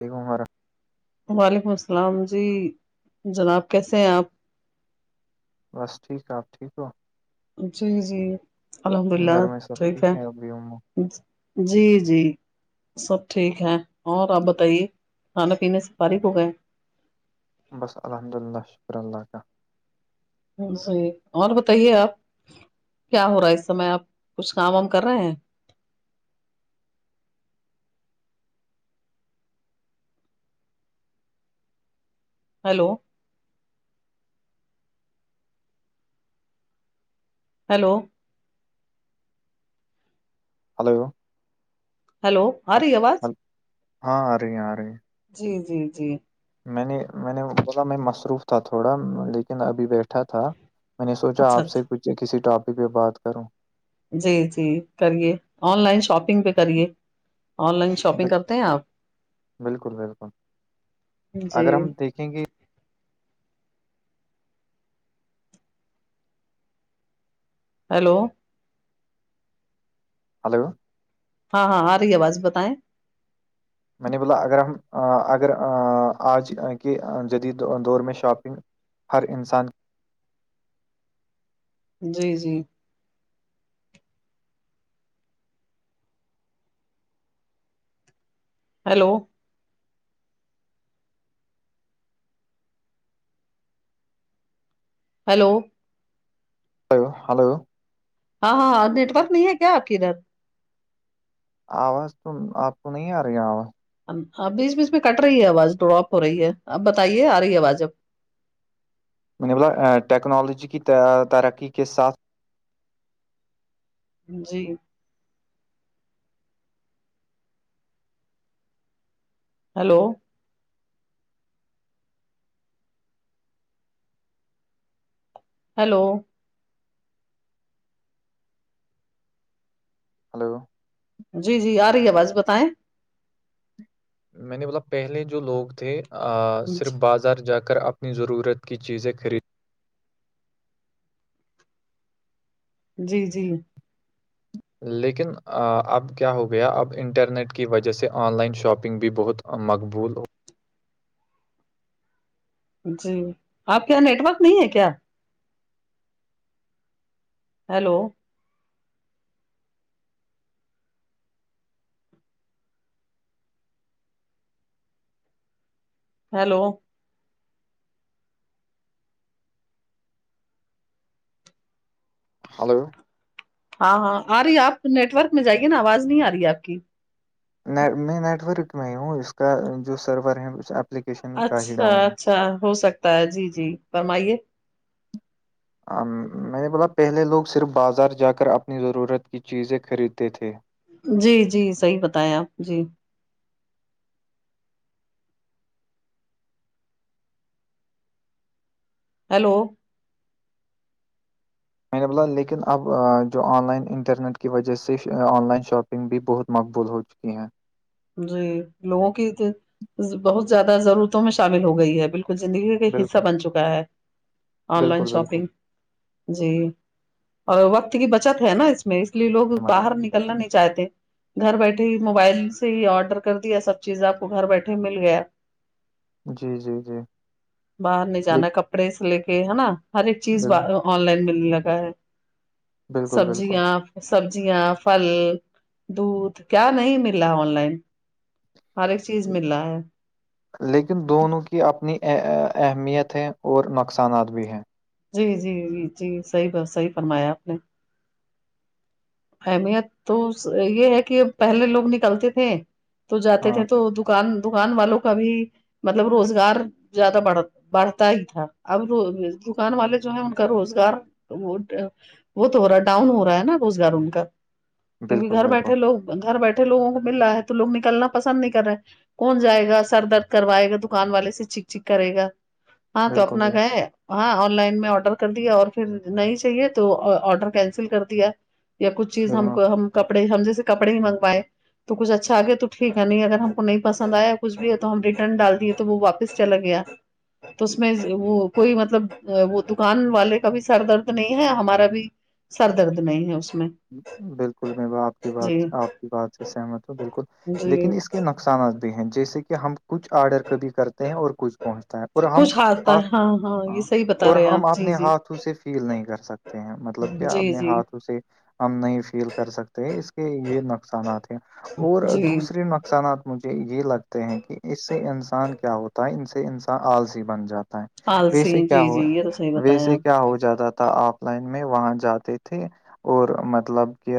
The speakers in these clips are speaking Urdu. ایکھمارا وعلیکم السلام جی جناب کیسے ہیں آپ بس ٹھیک آپ ٹھیک ہو جی جی الحمد للہ گھر میں سب ٹھیک ہے ابھی امو جی جی سب ٹھیک ہے اور آپ بتائیے کھانا پینے سے فارغ ہو گئے بس الحمد للہ شکر اللہ کا اور بتائیے آپ کیا ہو رہا ہے اس سمے آپ کچھ کام وام کر رہے ہیں ہیلو ہیلو ہلو ہیلو ہل- ری آواز ہل- ہاں آ رہی ہیں آ رہے ہیں جی جی جی میں نے میں نے بولا میں مصروف تھا تھوڑا لیکن ابھی بیٹھا تھا میں نے سوچا اچھا آپ سے اچھا کچھ کسی ٹاپک پہ بات کروں جی جی کریے آن لائن شاپنگ پہ کرے آن لائن ش شاپنگ بل- کرتے ہیں آپ بالکل جی کینک ہیلو ہلو ہاں ہاں آ رہی آواز بتائیں میں نے بولا اگر ہم اگر آج کے جدید دور میں شاپنگ ہر انسان جی جی ہیلو ہیلو ہلو ہلو ہاں ہاں ہاں نیٹ ورک نہیں ہے کیا اقدر آواز تو آپ تو نہیں آ رہی آواز بیچ بیچ میں کٹ رہی ہے آواز ڈراپ ہو رہی ہے اب بتائیے آ رہی ہے آواز اب میں نے ب ٹیکنالوجی کی ترقی کے ساتھ جی ہیلو ہیلو ہلو جی جی آ رہی ہے آ باز بتائیں میں نے بولا پہلے جو لوگ تھے صرف بازار جا کر اپ اپنی ضرورت کی چیزیں خرید جی جی لیکن اب کیا ہو گیا اب انٹرنیٹ کی وجہ سے آن لائن شاپنگ بھی بہت مقبول ہو جی آپ کے یہاں نیٹ ورک نہیں ہے کیا ہیلو ہیلو ہلو ہاں ہاں آ رہی آپ نیٹ ورک میں جائیے نا آواز نہیں آ رہی ہے آپ کی میں نیٹ ورک میں ہی ہوں اس کا جو سرور ہے اپلیکیشن کا ہی اچھا ڈاؤن اچھا ہو سکتا ہے جی جی فرمائیے میں نے بولا پہلے لوگ صرف بازار جا کر اپنی ضرورت کی چیزیں خریدتے تھے جی جی صحیح بتائیں آپ جی ہیلو میں نے بولا لیکن اب جو آن لائن انٹرنیٹ کی وجہ سے آن لائن شاپ نگ بھی بہت مقبول ہو چکی ہیں جی لوگوں کی بہت زیادہ ضرورتوں میں شامل ہو گئی ہے بالکل زندگی کا حصہ بالکل بن چکا ہے آن لائن بالکل بالکل شاپنگ جی اور وقت کی بچت ہے نا اس میں اس لیے لوگ مگر باہر نکل کرنا نہیں چاہتے گھر بیٹھے ہی موبائل سے ہی آڈر کر دیا سب چیز آپ کو گھر بیٹھے مل گیا جی جی جی باہر نہیں لیک- جانا کپڑے سے لے کے ہے نا ہر ایک چیز ب بل- آن لائن ملنے لگا ہے بالکل بالکل سبزیاں سبزیاں پل دودھ کیا نہیں ملا آن لائن ہر ایک چیز مل رہا ہے لیکن دونوں کی اپنی اہمیت ہے اور نقصانات بھی ہیں جی جی جی جی صحیح ب صحیح فرمایا آپ نے اہمیت تو یہ ہے کہ پہلے لوگ نکلتے تھے تو جاتے ہاں تھے تو د دکان دکان والوں کا بھی مطلب روزگار زیادہ بڑ بڑھتا ہی تھا اب دکان والے جو ہے ان کا روزگار وہ وہ تو ہو رہا ہے ڈاؤن ہو رہا ہے نا روزگار ان کا کیونکہ بالکل گھر بالکل بیٹھے لوگ گھر بیٹھے لووں کو مل رہا ہے تو لوگ نکلنا پسند نہیں کر رہے کون جائے گا سر درد کروائے گا دکان والے سے چیک چک کرے گا ہاں تو اپنا بالکل کہ ہاں آن لائن میں آڈر کر دیا اور پھر نہیں چاہیے تو آرڈر کینسل کر دیا یا کچھ چیز ہم بالکل کو ہم کپڑے ہم جیسے کپڑے ہی منگوائے تو کچھ اچھا گیا تو ٹھیک ہے نہیں اگر ہم کو نہیں پس آیا کچھ ہے تو ہم ریٹرن ڈال دیے تو وہ واپس س چلا گیا تو اس میں وہ کوئی مطلب وہ دکان والے کا بھی سر درد نہیں ہے ہمارا بھی سر درد نہیں ہے اس میں بالکل میں ب آپ کی جی بات آپ کی بات سے سہمت ہوں بالکل جی لیکن اس کے نق نقصانات بھی ہیں جیسے کہ ہم کچھ آرڈر کبھی کرتے ہیں اور کچھ پہنچتا ہے اور ہم کچھ آتا ہھ ہے ہاں ہاں یہ صحیح بتا اور رہے ہیں ہم آپ جی اپنے جی ہاتھ سے فیل نہیں کر سکتے ہیں مطلب کیا جی اپنے جی ہاتھوں سے ہم نہیں فیل کر سکتے ہیں اس کے یہ نقصانات ہیں اور جی دوسریے نقصانات مجھے یہ لگتے ہیں کہ اس سے انسان کیا ہوتا ہے ان سے انسان آالسیی بن جاتا آلسی ویسے کیا جی ہو جی یہ تو صحیح بتایا ویسے آپ کیا ہو جاتا آف لائن میں وہاں جاتے تھے اور مطلب کہ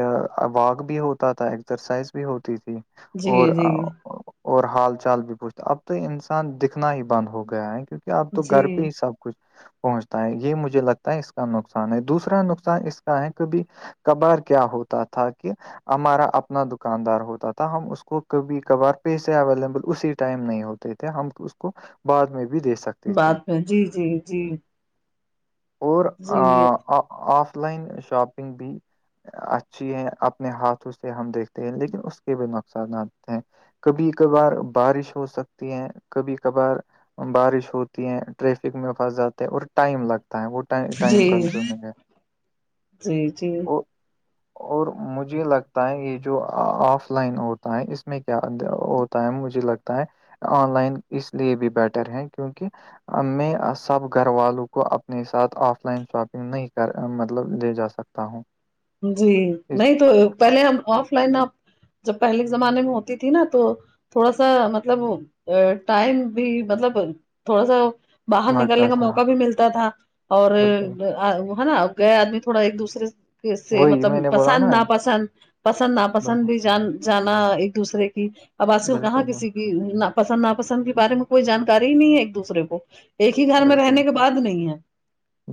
واک بھی ہوتا تھا ایکسرسائز بھی ہوتی تھی اور جی جی اور حال چال بھی پوچھتا اب تو انسان دکھنا ہی بند ہو گیا ہے کیکہ کیا آپ تو گھر پہ جی ہی سب کچھ پہنچتا ہے یہ مجھے لگتا ہے اس کا نقصان ہے دوسرا نقصان اس کا ہے کیبہ کبار کیا ہوتا تھا کہ ہمارا اپنا دکاندار ہوتا تھا ہم اس کو کبھی کبھار پیسے اویلیبل اسی ٹائم نہیں ہوتا تھے ہم اس کو بعد میں بھی دے سکتے تھے بعد میں جی جی جی اور جی آف لائن شاپنگ بھی اچھی ہے اپنے ہاتھوں سے ہم دیکھتے ہیں لیکن اس کے بھی نقصانات ہیں کبھی کبھار بارش ہو سکتی ہے کبھی کبھار بارش ہوتی ہے ٹریفک میں پھنس جاتا ہے اور ٹائم لگتا ہے وہ ٹائم جی کنزیومنگ ہے جی جی [inaudible] [inaudible] اور مجھے لگتا ہے یہ جو آف لائن ہوتا ہے اس میں کیا مجھے لگتا ہے آن لائن اس لیے بھی بیٹر ہے کیونکہ میں سب گھر والوں کو اپنے ساتھ آف لائن شاپنگ نہیں کر مطلب لے جا سکتا تا ہوں [inaudible] جی اس نہیں تو پہلے ہم آف لائن آپ جب پہلے کے زمانے میں ہوتی تھی نا تو تھوڑا سا مطلب ا ٹائم بھی مطلب تھوڑا سا باہر نکلنے لگتا کا موقع تھا بھی ملتا تھا اور بالکل ہے نا گئے آدمی تھوڑا ایک دوسرے سے کہ اس سے وہی میں مطلب نے بولا پسند نا پسند پسند ناپسند بالکل بھی جان جانا ایک دوسرے کی ابسی کہاں بالکل کسی کی نہ پسند ناپسند کے بارے میں کوئی جانکاری ہی نہیں ہے ایک دوسرے کو ایک ہی گھر میں رہنے کے بالکل بعد نہیں ہے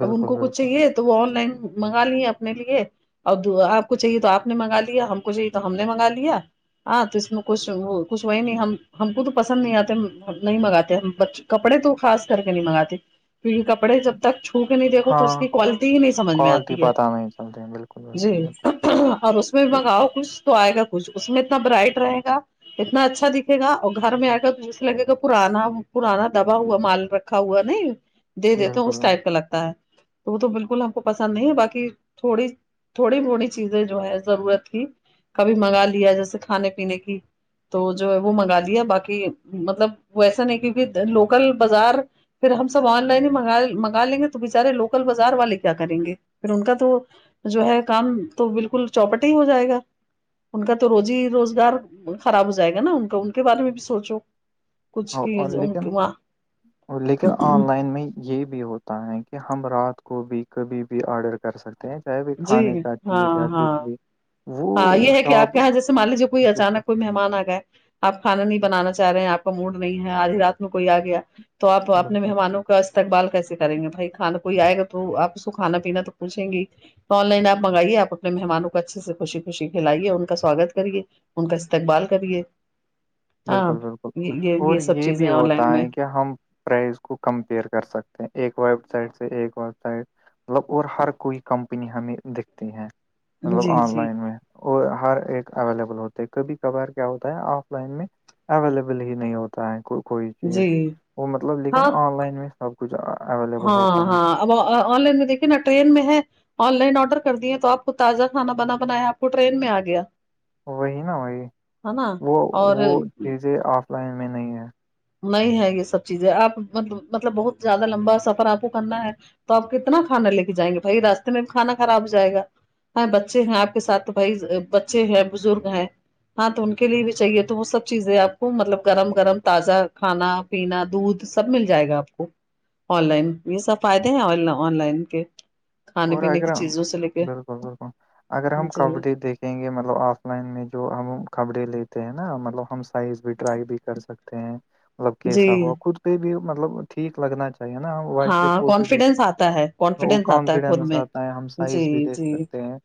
اب ان کو کچھ بالکل چاہیے تو وہ آن لائن منگا لیے ا نے لیے اب آپ کو چاہیے تو آپ نے منگا لیا ہم کو چاہیے تو ہم نے منگا لیا ہاں تو اس میں کچھ کچھ وہی نہیں ہم ہم کو تو پسند نہیں آتے نہیں منگاتے ہم بچ کپڑے تو خاص کر کے نہیں منگاتے کیونکہ ک کپڑے جب تک چھو کے نہیں دیکھو تو اس ہاں کی کوالٹی ہی نہیں سمجھ میں کوالٹی آتی ہے پت نہیں چلتی بالکل جی بالکل اور اس میں بھی بالکل منگاؤ کچھ تو آئے گا کچھ اس میں اتنا برائٹ رہے گا اتنا اچھا دکھے گا اور گھر میں آ کر جسے لگے گا پرانا پرانا دبا ہوا مال رکھ رکھا ہوا نہیں دے دیتے اس بالکل ٹائپ کا لگتا ہے تو وہ تو بالکل ہم کو پسند نہیں ہے باقی تھوڑی تھوڑی موڑی چیزیں جو ہے ضرورت تھی کبھی منگا لیا جیسے کھانے پینے کی تو جو ہے وہ منگا دیا باقی مطلب وہ ایسا نہیں کیکہ لوکل بازار پھر ہم سب آن لائن ہیگ منگا لیں گے تو بچارے لوکل بازار والے کیا کریں گے پھر ان کا تو جو ہے کام تو بالکل چوپٹ ہی ہو جائے گا ان کا تو روزی روزگار خراب ہو جائے گا نا ان کا ان کے بارے میں بھی سوچو کچھ کی ان لیکن کے وہاں. لیکن آن لائن میں ہی یہ بھی ہوتا ہے کہ ہم رات کو بھی کبھی بھی آرڈر کر سکتے ہیں چاہے بھی جی کھانے کا چیز یا ہاں کچھ ہاں بھی ہاں وہ یہ ہے کہ آپ شاپ یہاں جیسے مان لیجیے کوئی بالکل اچانک کوئی مہمان آ گئے آپ کھانا نہیں بنانا چاہ رہے ہیں آپ کا موڈ نہیں ہے آدھی رات میں کوئی آ گیا تو آپ اپنے بالکل مہمانوں کو کا استقبال کیسے کریں گے بھائی کھانا کوئی آئے گا تو آپ اس کو کھانا پینا تو پوچھیں گی تو آن لائنپ منگائیے آ اپنے مہموں کو اچھے سے خوشی خوشی کھلائیے ان کا سواگت کریے ان کا استقبال کریے ہاں بالکل بالکل یہ اور سب یہ چیزیں بھی آن ہوتا لائن میں ہے کہ ہم پرائز کو کمپیئر کر سکتے ہیں ایک ویب سائٹ سے ایک ویب سائٹ مطلب اور ہر کوئی کمپنی ہمیں دکھتی ہیں مطلب جی آن جی لائن میں اور ہر ایک اویلیبل ہوتا ہے کبھی کبھار کیا ہوتا ہے آف لائن میں اویلیبل ہی نہیں ہوتا ہوتا کو کوئی چیز جی وہ مطلب ہاں لیکن آن لائن میں سب کچھ اویلیبل ہاں ہوتا ہے ہاں اب آن لائن میں دیکھیے نا ٹرین میں ہے آن لائن آرڈر کر دیے تو آپ کو تازہ کھانا بنا بنایا آپ کو ٹرین میں آ گیا وہی نا وہی ہے نا وہ وہ اور چیزیں آف لائن میں نہیں ہے نہیں ہے یہ سب چیزیں آپ مطلب بہت زیادہ لمبا سفر آپ کو کرنا ہے تو آپ کتنا کھانا لے کے جائیں گے بھائی راستے میں بھی کانا خراب ہو جائے گا [unintelligible] ہ بچے ہیں آپ کے سات تو بھائی بچے ہیں بزرگ ہیں ہاں تو ان کے لیے بھی چاہیے تو وہ سب چیزیں آپ کو مطلب گرم گرم تازہ کھانا پینا دودھ سب مل جائے گا آپ کو آن لائن یہ سب فائدے ہیں آن لائن کے کھانے اور پینے اگر کی چیزوں سے لے کے بالکل بالکل اگر ہم جی کبڈی دیکھ کہیں گے مطلب آف لائن میں جو ہم کپڑے لیتے ہیں نا مطلب ہم سائز بھی ٹرائی بھی کر سکتے مطلب جی کیسا ہو خود پہ بھی مطلب ٹھیک لگنا چاہ نا وائ پ ہاں کانفیڈینس آتا ہے فوٹو کانفیڈینس کان آتا ہے خود نظر میں آتا ہے ہم سائز جی بھی دیکھ جی سکتے ہیں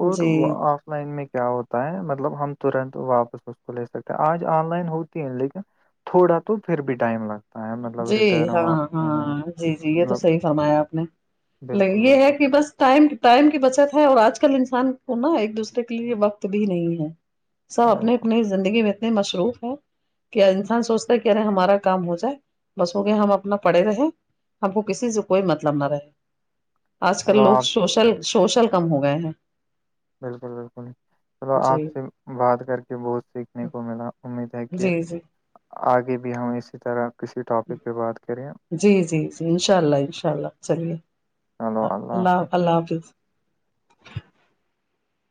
اور جی آف لائن میں کیا ہوتا ہے مطلب ہم ترنت واپس اس کو لے سکتے ہیں آج آن لائن ہوتی ہے لیکن تھوڑا تو پھر بھی ٹائم لگتا ہے مطلب جی ریٹرن ہاں واپس لینے میں ہاں جی جی یہ تو مطلب صحی فرمایا آپ نے ل بالکل یہ ہے بالکل کہ بس ٹائم ٹائم کی بچت ہے اور آج کل انسان نا ایک دوسرے کے لیے وقت بھی نہیں ہے سب اپنے بالکل اپنے زندگی میں اتنی مصروف ہے کہ انسان سوچتا ہے کہ ارے ہمارا کام ہو جائے بس ہو گ ہم اپنا پڑے رہے ہم کو کسی سے کوئی مطلب نہ رہے آج کل چلو لوگ آپ سوشل کم ہو گئے ہیں بالکل بالکل چلو آپ جی سے بات کر کے بہت سیکھنے کو ملا امید ہے کہ جی جی آگے بھی ہم اسی طرح کسی ٹاپک پہ بات کریں جی جی جی انشاء اللہ ان شاء اللہ چلیے چلو اللہ حافظ اللہ حافظ